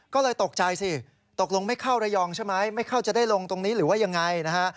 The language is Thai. ก็เลยตกใจสิตกลงไม่เข้าระยองใช่ไหมไม่เข้าจะได้ลงตรงนี้หรือว่ายังไงนะฮะ